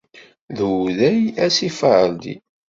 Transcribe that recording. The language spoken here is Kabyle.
D uday asifaṛdi.